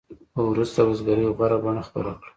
خو وروسته بزګرۍ غوره بڼه خپله کړه.